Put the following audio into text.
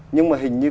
nhưng mà hình như